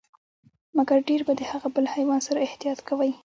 مګر ډیر به د هغه بل حیوان سره احتياط کوئ،